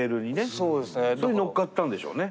それに乗っかったんでしょうね。